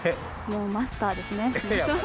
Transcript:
もうマスターですね。